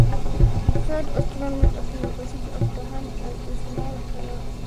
He taught astronomy at the University of Bochum, and is now retired.